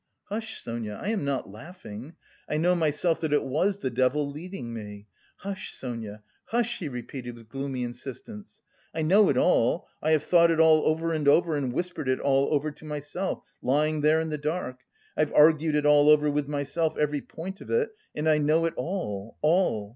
"Hush, Sonia! I am not laughing. I know myself that it was the devil leading me. Hush, Sonia, hush!" he repeated with gloomy insistence. "I know it all, I have thought it all over and over and whispered it all over to myself, lying there in the dark.... I've argued it all over with myself, every point of it, and I know it all, all!